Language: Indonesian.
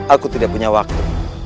aku tidak punya waktu